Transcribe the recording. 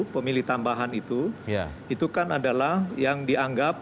pemilih tambahan itu itu kan adalah yang dianggap